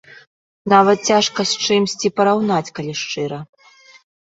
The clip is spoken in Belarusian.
Нават цяжка з чымсьці параўнаць, калі шчыра.